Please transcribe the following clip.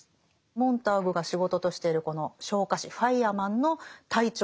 モンターグが仕事としてるこの昇火士ファイアマンの隊長。